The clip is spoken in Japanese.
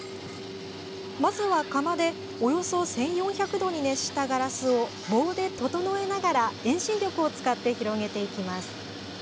まずは、窯でおよそ１４００度に熱したガラスを棒で整えながら遠心力を使って広げていきます。